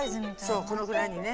そうこのぐらいにね。